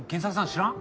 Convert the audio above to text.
知らん？